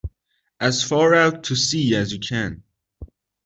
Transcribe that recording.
As far out to sea as you can.